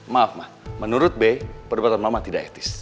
maaf mas menurut be perbuatan mama tidak etis